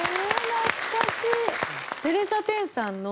懐かしい！